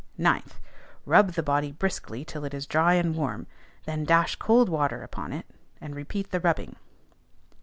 9th, Rub the body briskly till it is dry and warm, then dash cold water upon it, and repeat the rubbing.